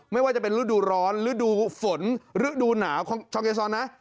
ไม่ว่าจะเป็นฤดูร้อนฤดูฝนฤดูหนาวของช่องเกซอนนะ